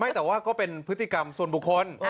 แต่ว่าก็เป็นพฤติกรรมส่วนบุคคล